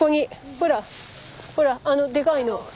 ほらほらあのでかいの。